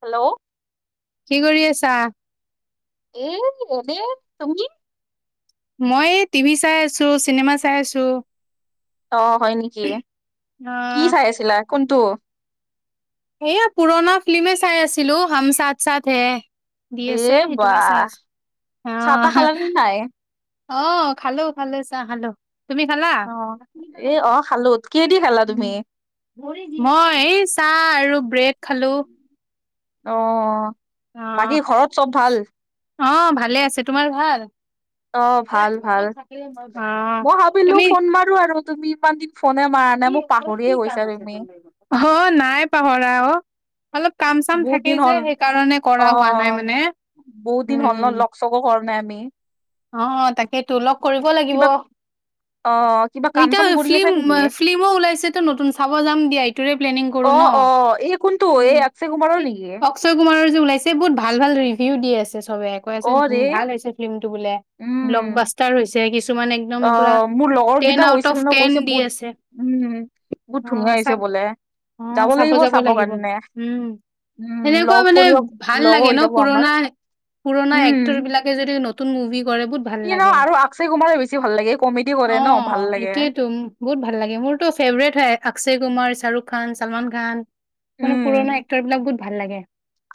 Hello. কি কৰি আছা? এ এনেই, তুমি? মই টিভি চাই আছো, চিনেমা চাই আছোঁ। অঁ, হয় নেকি? কি অ' চাই আছিলা কোনটো? এইয়া পুৰণা ফিল্মে চাই আছিলো, হম চাথ- চাথ হে। দি এ আছে, বা সেইটোকে চাই আছো। চাহ তাহ অহ। খালা নে নাই অঁ, খালো, খালো, চাহ খালোঁ। তুমি খালা? অ এ অ খালো কিহেদি খালা তুমি মই এই চাহ আৰু ব্ৰেড খালোঁ। অঁ, বাকী ঘৰত চব ভাল? অঁ, ভালে আছে। তোমাৰ ভাল? অঁ, ভাল -ভাল। অঁ। মই ভাবিলো ফোন মাৰো আৰু তুমি ইমান দিন ফোনে মাৰা নাই মোক পাহৰিয়ে গৈছা তুমি। অঁ, নাই পাহৰা অঁ। অলপ কাম- চাম বহুত দিন থাকেই হ'ল যে সেইকাৰণে অ কৰা হোৱা নাই মানে উম। চকৰ কৰা নাই আমি। অঁ, অঁ, তাকে তো লগ কৰিব লাগিব। অঁ, অঁ, কিবা- কাম চাম এতয়া কৰি আছা ফিল্ম নেকি ফিল্মো ওলাইছে তো নতুন চাব যাম দিয়া। সেইটোৰে প্লেনিং কৰো অ ন! অ এই কোনটো এই উম, অক্ষয় কুমাৰৰ এই নেকি অঁ। অক্ষয় কুমাৰৰ যে ওলাইছে বহুত ভাল ভাল ৰিভিউ দি আছে চবে, কৈ আছে অ ৰে ভাল হৈছে ফিল্মটো বোলে। ব্লক ব্লাষ্টাৰ হৈছে। কিছুমানে- অঁ, মোৰ লগৰকেইটা গৈছিল ন। কৈছে দি বহুত আছে উম, - বহুত ধুনীয়া হৈছে বোলে। অঁ, চাব যাব লাগিব উম। উম সেনেকুৱা লগ মানে কৰিব ভাল লগো লাগে হৈ ন যাব আমাৰ পুৰণা- পুৰণা উম এক্টৰ বিলাকে যদি নতুন মুভি- কৰে বহুত ভাল ই ন লাগে আৰু আক্ষয় কুমাৰে বেছি ভাল, এ কমেতি অ কৰে ন ভাল লাগে। এইটোয়েতো বহুত ভাল লাগে। মোৰতো ফেভৰেট হয় অক্ষয় কুমাৰ, শাহৰুখ খান, চলমান খান। মানে উম পুৰণা এক্টৰবিলাক বহুত ভাল লাগে।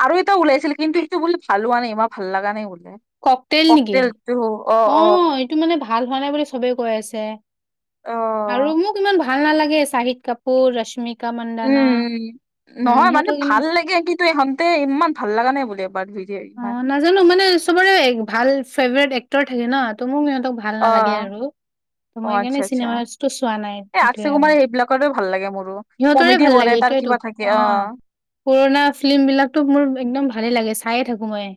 আৰু এটা উলাইছিল কিন্তু হেটো বোলে ভাল হোৱা নাই, ইমান ভাল লগা নাই বোলে। কক তেল নেকি? অ এইটো মানে ভাল হোৱা নাই বুলি চবেই কৈ আছে। অ আৰু মোক ইমান ভাল নালাগে চাহিদ কাপুৰ ৰশ্মি উ নহয় মানে সিহঁতক ইমান ভাল লাগে কি [unintelligible] ইমান ভাল লগা নাই বোলে অ [unintelligible] নাজানো মানে চবৰে ভাল ফেভাৰেট এক্টৰ থাকে ন ত মোক সিহঁতক ভাল অ নালাগে আৰু। অ মই সেইকাৰণে আচ্ছা আচ্ছা চিনেমাচটো চোৱা নাই এ আকচে হেইটোৱে কুমাৰ আৰু। সেইবিলাকৰে ভাল লাগে মোৰো সিহঁতৰে কমেডি ভাল কৰে লাগে তাৰ হেটোয়েটো কিবা থাকে অ, পুৰণা ফিল্ম বিলাকতো মোৰ একদম ভালে লাগে। চায়ে থাকো মই।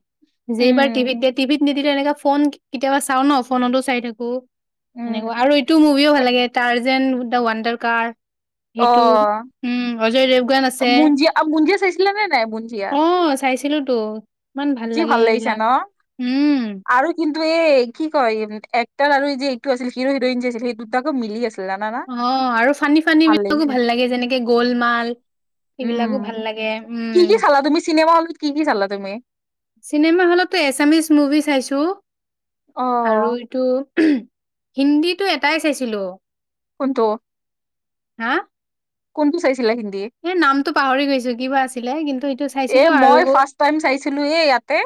যেইবাৰ উম টিভিত দিয়া টিভিত নিদিলে এনেকা ফোন কেতিয়াবা চাও ন ফোনতো চাই থাকো, হেনেকোৱা উম আৰু ইটো মুভিও এ ভাল লাগে তাৰযেন দা ৱাণ্ডাৰ কাৰ। অ সেইটো উ অজয় দেৱগান আছে, বুঞ্জিয়া বুঞ্জিয়া চাইছিলা নে নাই বুঞ্জিয়া অঁ। চাইছিলোটো। যি ভাল লাগিছে ন উম আৰু কিন্তু এই কি কয় এক্টৰ আৰু যে এইটো আছিল হিৰো হিৰইন যে আছিল সেই দুতাকো মিলি আছিল। জানানা অ আৰু ফানী ফানী বিলাকো ভাল লাগে যেনেকে গোলমাল সেইবিলাকো ভাল উম লাগে উ। কি কি চালা তুমি চিনেমা হল কি কি চালা তুমি? চিনেমা হলতো এছামিচ মুভি চাইছো অ আৰু এইটো হিন্দীটো এটাই চাইছিলো। কোনটো? হা। কোনটো চাইছিলা হিন্দী? এ নামটো পাহৰি গৈছো কিবা আছিলে কিন্তু এইটো এ চাইছিলো আৰু মই ফাচ টাইম চাইছিলো এ ইয়াতে।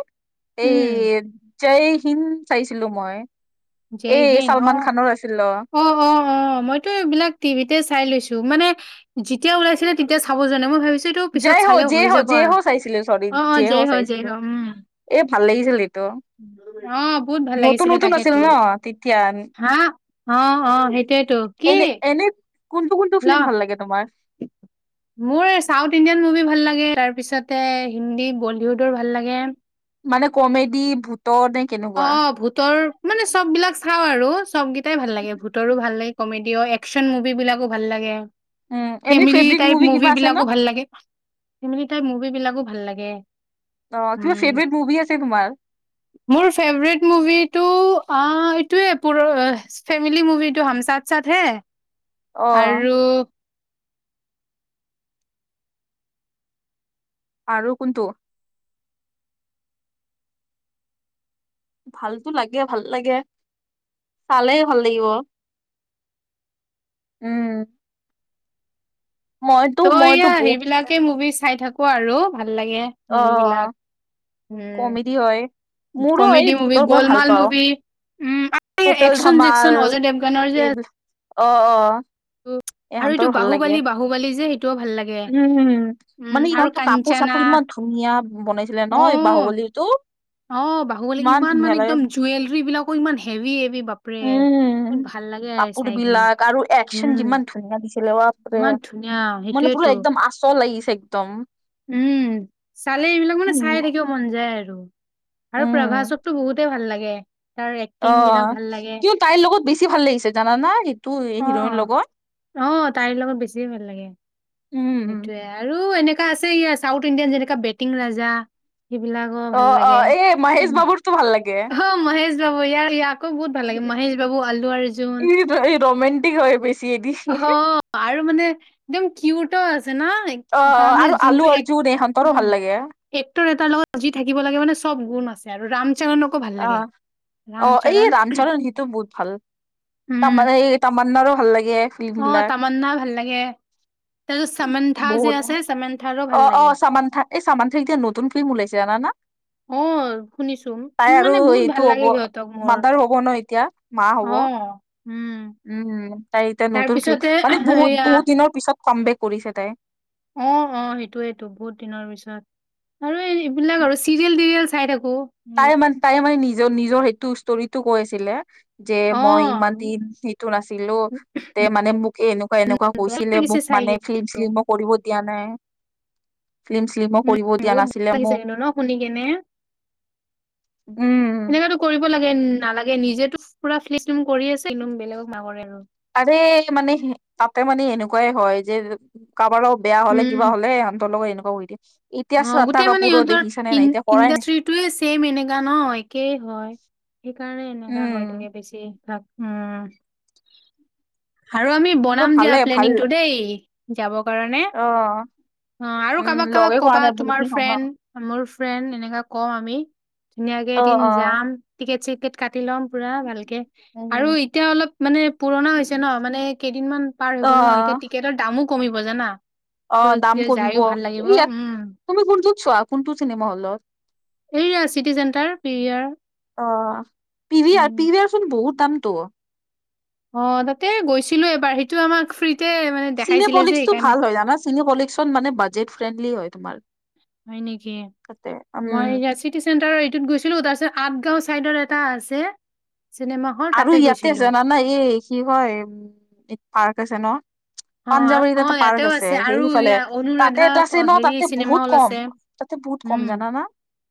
উম এই জয়হীন চাইছিলো মই জয় এই হিন্দ চলমানখানৰ আছিল অ। অ, অ, অ। অ মইতো এইবিলাক টিভিতে চাই লৈছো মানে যেতিয়া ওলাইছিলে তেতিয়া চাব যোৱা নাই মই ভাবিছো এইটো পিছত জয় হো, চালেও জয় হৈ হো, যাব জয় আৰু হো চাইছিলো চৰি অ অ জয় হো হ জয় চাইছিলো। হ উম এ ভাল লাগিছিল সেইটো। অ বহুত ভাল লাগিছিলে তাকে তো ন তেতিয়া হা। অ অ সেইটোয়েতো। কি এনে এনে কোনটো কোনটো ল ফিল্ম ভাল লাগে তোমাৰ? মোৰ চাউথ ইণ্ডিয়ান মুভি ভাল লাগে, তাৰপিছতে হিন্দী বলিউডৰ ভাল লাগে। মানে কমেডি ভোত ট নে কেনে অ ভূতৰ মানে চববিলাক চাও আৰু চবকেইটাই ভাল লাগে ভূতৰো ভাল লাগে। কমেডি অ একচন মুভিবিলাকো ভাল লাগে, উম এনে ফেমেলি ফেভৰেট টাইপ কিবা মুভি আছে ন বিলাকো ভাল লাগে। ফেমিলি তাইপ মুভিবিলাকো ভাল লাগে। অ কিবা উম ফেভৰেট মুভি আছে তোমাৰ? মোৰ ফেভৰেট মুভিটো অ এইটোৱে পুৰ ফেমিলি মুভিটো হম চাট চাট হে অ আৰু আৰু কোনটো? ভালতো লাগে ভাল লাগে, চালে ভাল লাগিব। উম'। মইতো ত' মইতো এয়া বহুত সেইবিলাকে মুভি চাই থাকো আৰু ভাল লাগে। অ' মুভি বিলাক অ' উম কমেডি হয়। মোৰো এই কমেডি মুভি ভূতক মই ভাল গলমাল পাওঁ। মুভি উম total action Jackson Dhamaal Ajay দেৱগানৰ এই অ', অ'। উম'। আৰু ইহঁতৰ এইটো ভাল বাহু লাগে বলি, বাহু বলি যে সেইটোও ভাল লাগে। উম, মানে আৰু ইহঁতৰ কাপোৰ চাপোৰ কাঞ্চানা! ইমান ধুনীয়া বনাইছিলে ন এই বাহুবলীটো ইমান ধুনীয়া লাগে। জুৱেলৰীবিলাকো ইমান হেভি-হেভি বাপৰে। উম, বহুত ভাল লাগে চাই কিনে কাপোৰবিলাক আৰু একচন উম, যিমান ধুনীয়া দিছিলে বাপৰে। ইমান ধুনীয়া। মান পুৰা সেইটোয়েতো একদম আচল লাগিছে একদম। উম, চালে এইবিলাক মানে উম চাইয়ে থাকিব মন যায় আৰু। আৰু উম প্ৰভাচকতো বহুতেই ভাল লাগে। তাৰ এক্টিং বিলাক অ' ভাল লাগে কিয় তাইৰ লগত বেছি ভাল লাগিছে জানা না সেইটো অ', হিৰোইন লগত। অ' তাইৰ লগত বেছিয়ে ভাল লাগে উম সেইটোয়ে। আৰু এনেকা আছে এইয়া চাউথ ইন্ডিয়া যেনেকা বেটিং ৰাজা। সেইবিলাকো অ ভাল অ লাগে। এই মহেশ উম, বাবুৰতো ভাল লাগে অ' মহেছ বাবু ইয়া- ইয়াক। আকৌ বহুত ভাল লাগে, মাহেছ বাবু, আলু অৰ্জুন ই ৰমেণ্টিক হয় বেছি এদি অ'। আৰু মানে একদম কিউটো আছে না। অ', এটা অ' মানে আৰু যোনটো আলু এক অৰ্জুন ইহতৰো উম ভাল লাগে। এক্টৰ এটাৰ লগত যি থাকিব লাগে, মানে চব গুণ আছে আৰু ৰামচৰণক আহ অ' এই ৰামচৰন সিটো বহুত ভাল। উম তমা এই তামান্নাৰো ভাল লাগে। ফিল্ম অ' বিলাক তামান্না ভাল লাগে। তাৰপিছত সামান্থা যে বহুত সামান্থাৰো অ ভাল অ লাগে। চামান্থা এই সামান্থা এতিয়া নতুন ফিল্ম উলাইছে জানা না? অ শুনিছো তাই উম, আৰু মানে বহুত সেইটো ভাল হ'ব লাগে সিহঁতক মোৰ মাদাৰ হ'ব ন এতিয়া? মা অ হ'ব। উম'। উম, তাই নতুন ফিল্ম তাৰপিছতে মানে বহুত, এয়া বহুত দিনৰ পিছত কামবেক তাই। অ', অ' সেইটো য়েইটো বহুত দিনৰ পিছত আৰু এ এইবিলাক আৰু চিৰিয়েল টিৰিয়েল চাই থাকো। উম, তাই মানে, তাই মানে নিজৰ নিজৰ সেইটো ষ্টৰিটো কৈ আছিলে। যে মই অ' ইমান দিন উম, এইটো নাছিলো। তে মানে মোক এনেকুৱা, এনেকুৱা বেয়া কৈছিলে লাগিছে মোক চাই মানে কিনে। ফিল্ম, চিল্মো কৰিব দিয়া নাই, ফিল্ম চিল্মো উম, কৰিব দিয়া বহুত বেয়া নাছিলে লাগিছে মোক। কিন্তু ন শুনি কেনে। উম সেনেকাতো কৰিব লাগে, নালাগে। নিজেতো পুৰা ফিল্ম কৰি আছে একদম বেলেগক নকৰে আৰু। আৰে মানে তাতে মানে এনেকুৱাই হয়, যে কাৰবাৰ লগ বেয়া হ'লে উম, কিবা হ'লে সিহতৰ লগত এনেকুৱা কৰি দিয়ে। এতিয়া অ' শ্ৰদ্ধা গোটেই মানে কাপুৰৰ ইহতৰ দেখিছানে নাই এতিয়া কৰাই নাই ইন-ইণ্ডাষ্ট্ৰিটোৱে ছেম এনেকা ন' একেই হয়। সেইকাৰণে এনেকা হৈ উম থাকে, বেছি ভাগ উম'। আৰু আমি কিন্তু বনাম ভালে দিয়া ভাল প্লেনিংটো দেই, যাবৰ কাৰণে। অ অ' আৰু উম কাবাক লগে কাবাক কৰা ক'বা, নাই বহুত তোমাৰ দিন হ'ল ন ফ্ৰেণ্ড, মোৰ ফ্ৰেণ্ড, এনেকা কওঁ আমি। ধুনীয়াকে অ এদিন অ যাম। টিকেট-চিকেট কাটি ল'ম পুৰা ভালকে আৰু উম, এতিয়া অলপ মানে পুৰণা হৈ ছে ন', মানে কেইদিনমান পাৰ হৈ অ গ'ল ন', এতিয়া টিকেটৰ দামো কমিব জানা! ত অ' দাম কমিব। যায়ো ভাল লাগিব এইয়াত উম তুমি কোনটোত চোৱা, কোনটো চিনেমা হলত? এইয়া চিটি চেণ্টাৰ পিভিআৰ অ', পি ভি আৰ। উম পি ভি আৰ চোন বহুত দামতো। অ' তাতে গৈছিলোঁ এবাৰ। সেইটো আমাক ফ্ৰিতে - চিনেপলিক্সটো ভাল হয় জানা? চিনেপলিক্সত মানে বাজেট ফ্ৰেণ্ডলি হয় তোমাৰ। হয় নেকি? তাতে মই উম এইয়া চি টি চেন্টাৰত এইটোত গৈছিলোঁ। তাৰছত আঠগাওঁ ছাইডত এটা আছে চিনেমা হল আৰু তাতে ইয়াতে গৈছিলো জানানা? এই কি হয়, ইক পাৰ্ক আছে ন' অ আৰ- পাঞ্জাবাৰীত অ এটা পাৰ্ক ইয়াতেও আছে, সেই আৰু সিফালে। ইয়া অনুৰাধা তাতে এটা আছে ক- ন', হেৰি তাতে চিনেমা হল বহুত কম। তাতে বহুত কম, জানানা?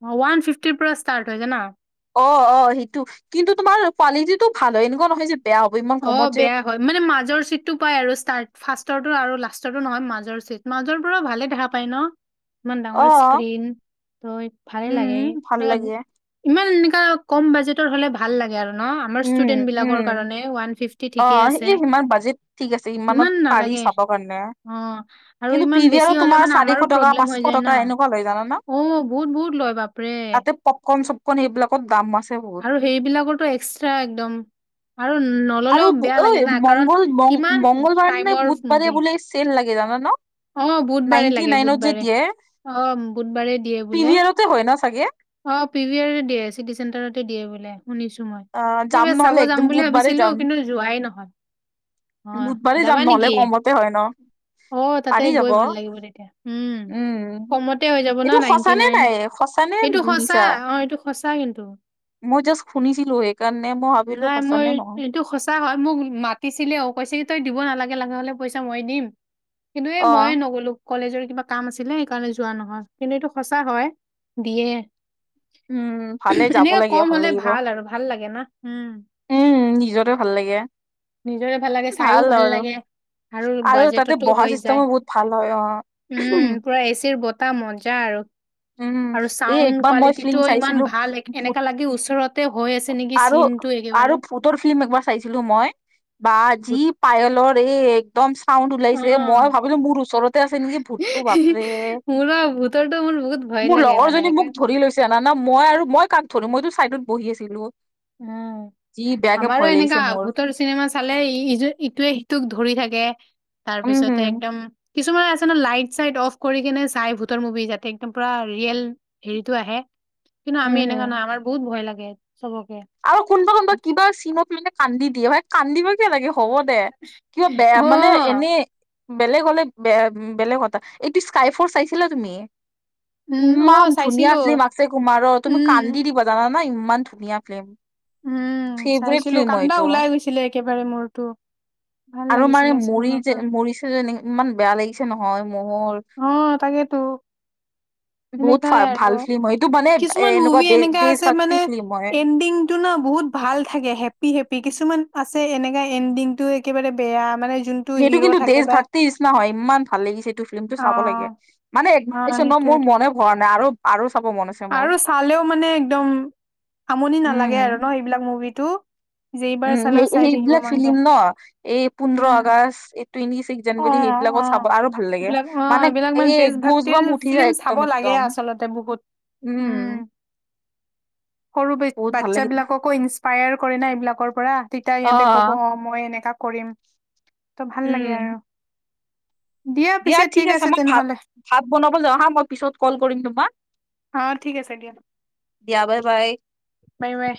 অ' ওৱান ফিফ্টিৰ পৰা ষ্টাৰ্ট হয়, জানা? অ' অ', সিটো। কিন্তু তোমাৰ কোৱালিটিটো ভাল হয়, এনেকুৱা নহয় যে বেয়া হ'ব ইমান কমত অ' যে বেয়া হয়, মানে মাজৰ চিটটো পায় আৰু ষ্টাৰ্ট, ফাষ্টৰটো আৰু লাষ্টৰটো নহয়, মাজৰ চিট। মাজৰবোৰৰ ভালে দেখা পায় ন'? ইমান অ ডাঙৰ স্ক্ৰীন, তো ভালে লাগে উম ভাল লাগে [unintelligible] ইমান এনেকা কম বাজেটৰ হ'লে ভাল লাগে আৰু ন'? আমাৰ উম উম ষ্টুডেন্টবিলাকৰ কাৰণে ওৱান ফিফ্টিত অ' ইহ ইমান বাজেট ঠিক আছে। ইমানত ইমান পাৰি নালাগে চাবৰ কাৰণে। অ আৰু কিন্তু ইমান পি ভি বেছি আৰত হলে তোমাৰ মানে চাৰিশ টকা, পাচশ টকা এনেকুৱা লয়, জানানা? ও বহুত বহুত লয় বাপৰে। পপকন-চপকন এইবিলাকত দাম আছে বহুত। আৰু সেইবিলাকৰতো এক্সৰা একদম। আৰু ন আৰু ঐ মংগল- ম- মংগলবাৰে নে টাইমৰ বুধবাৰে মুভি বোলে ছেন লাগে, জানান? অ' বুধবাৰে লাগে বুধবাৰে। অ' বুধবাৰে দিয়ে বোলে। তে হয় ন' চাগে? অ' পি ভি আৰে দিয়ে, চিটি চেণ্টাৰতে দিয়ে বোলে, শুনিছোঁ মই। অ যাম সেইবা চাব নহ'লে যাম একদম বুলি বুধবাৰে ভাবিছিলো যাম। কিন্তু যোৱাই নহয়। হয়, বুধবাৰে যাম যাবা নহ'লে নেকি? কমতে হয় ন অ' তাতে পাৰি যাব গৈ ভাল লাগিব তেতিয়া, উম। কমতে হৈ যাব এইটো ন' সঁচা নাইনটি নে নাইন। নাই সঁচা নে সেইটো সঁচা, মিছা? অ' এইটো সঁচা কিন্তু। মই জাষ্ট শুনিছিলো সেইকাৰণে মই ভাবিলো সঁচা নে নহয়। চা হয়। মোক মাতিছিলে অ' কৈছে কি তই দিব নালাগে, লাগা হ'লে পইচা মই দিম। কিন্তু এই অ মইয়ে নগলো। কলেজৰ কিবা কাম আছিলে সেইকাৰণে যোৱা নহল। কিন্তু এইটো সঁচা হয়। দিয়ে। [inaudible] ভালে যাব এনেও লাগে কম হলে লাগিব ভাল আৰু ভাল লাগে না? উম। উম, নিজৰে ভাল লাগে। নিজৰে ভাল লাগে, চাইয়ো ভাল লাগে। আৰু আল তাতে বাজেটতো বহা হৈ চিষ্টেমো যায় বহুত ভাল হয় অ'। উম, পুৰা এ চিৰ বতাহ মজা আৰু। উম, আৰু এই চাউণ্ড একবাৰ মই ফিল্ম কোৱালিটিটোও ইমান চাইছিলো ভাল, এক- ভূত এনেকা লা গে ওচৰতে হৈ আছে নেকি ছিনটো একেবাৰে। তৰ ফিল্মি একবাৰ চাইছিলোঁ মই বা যি ভূত পায়লৰ এইক একদম চাউণ্ড অ ওলাইছে মই ভাবিলোঁ মোৰ ওচৰতে আছে নেকি ভূতটো বাপৰে। মোৰ ভূতৰটো মোৰ বহুত ভয় মোৰ লাগে মানে লগৰজনী একে মোক ধৰি লৈছে। জানানা মই আৰু মই কাক ধৰু মইতো চাইডত বহি আছিলোঁ। উম, আমাৰো এনেকা মোৰ ভোতৰচ চিনেমা চালে ই-ইযো ইটোৱে-সিটোক ধৰি থাকে তাৰ পিছতে উম একদম কিছুমানে আছে ন' লাইট-চাইট অফ কৰি কিনে চাই ভূতৰ মুভি যাতে একদম পূৰা ৰিয়েল হেৰিটো আহে। কিন্তু আমি উম এনেকা না আমাৰ বহুত ভয় লাগে চবকে। আৰু কোনবা, কোনবা কিবা চীনত মানে কান্দি দিয়ে হয় কান্দিব কিয় লাগে হ'ব দে কিয় অ বেয়া মানে এনেই বেলেগ হ'লে বে-বেলেগ কথা এইটো স্কাই ফৰচ চাইছিলা তুমি? উম অ ইমান চাইছিলো ধুনীয়া ফিল্ম আক্সে কুমাৰৰ তুমি কান্দি উম দিবা যানা না ইমান ধুনীয়া ফিল্ম। উম, ফেভৰেট চাইছিলোঁ ফিল্ম হয় কান্দা এইটো ওলাই গৈছিলে একেবাৰে মোৰতো। ভাল আৰু মানে লাগিছিলে মৰি চিনেমাটো যে মৰিছে যেনে ইমান বেয়া লাগিছে নহয় মোৰ অ'তাকেইতো। বহুত সেনেকাই ভাল আৰু ফিল্ম হয় এইটো মানে এ কিছুমান এনেকুৱা মুভি দে এনেকা দেশ আছে ভক্তি মানে ফিল্ম হয়। এণ্ডিং টো ন, বহুত ভাল থাকে হেপি হেপি কিছুমান আছে এনেকা এণ্ডিং টো একেবাৰে বেয়া মানে যোন সেইটো কিন্তু দেচ ভাক্তিচ নহয় ইমান ভাল লাগিছে এইটো ফিল্মটো অ চাব লাগে মানে একবাৰ অ চাইছোঁ ন, মোৰ সেইটোয়েতো মনে হোৱা নাই আৰু, আৰু চাব মন আছে। মোৰ আৰু চালেও মানে একদম আমনি নালাগে উম। আৰু ন' এইবিলাক মুভিটো। যেইবাৰ উম, চালেও চাই থাকিব সেই-সেইবিলাক মন ফিলিম যায় ন' এই পোন্ধৰ উম আগষ্ট এই টুৱেণ্টি ছিক্স অ জনুৱৰী অ সেইবিলাকত চাব আৰু ভাল লাগে এইবিলাক অ মানে এইবিলাক এই গুচ বাম উঠি যায় একদম, একদম। তে বহুত উম, সৰু [unintelligible] বহুত ভাল বাচ্ছা লাগিল বিলাককো ইংলিছ পায়াৰ কৰে না এইবিলাকৰ পৰা তেতিয়া অ ইহঁতে ক'ব অ' মই এনেকা কৰিম। ত' ভাল লাগে উম আৰু। দিয়া ঠিক আছে মই ভাত-ভাত বনাবলৈ যাওঁ হা মই পিছত ক'ল কৰিম তোমাক। অ' ঠিক আছে দিয়া দিয়া বাই বাই বাই, বাই।